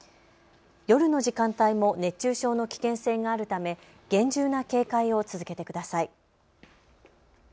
夜の時間帯も熱中症の危険性があるため厳重な警戒を続けてください。